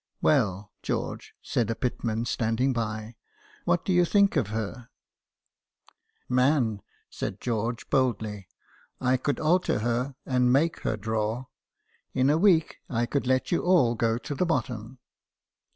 " Well, George," said a pitman, standing by, " what do you think of her ?"" Man," said George, boldly, " I could alte* her and make her draw. In a week I could let you all go the bottom."